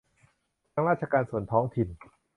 ทั้งราชการส่วนท้องถิ่น